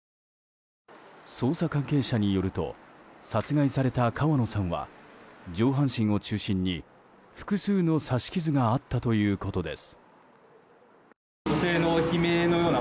捜査関係者によると殺害された川野さんは上半身を中心に複数の刺し傷があったということです。